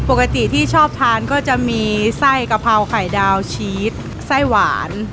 ปกติที่ชอบทานก็จะมีไส้กะเพราไข่ดาวชีสไส้หวาน